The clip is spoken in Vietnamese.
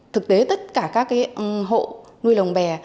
thực tế tất cả các hộ nuôi lồng bè